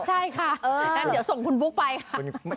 ใช่ค่ะงั้นเดี๋ยวส่งคุณบุ๊กไปค่ะ